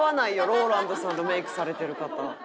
ＲＯＬＡＮＤさんのメイクされてる方。